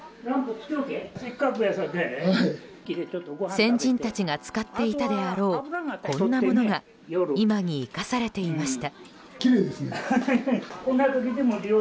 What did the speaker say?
先人たちが使っていたであろうこんなものが今に生かされていました。